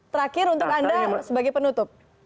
terakhir untuk anda sebagai penutup